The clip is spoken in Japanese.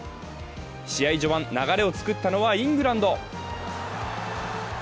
試合序盤、流れを作ったのはイングランド。